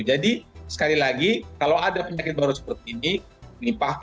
jadi sekali lagi kalau ada penyakit baru seperti ini nipah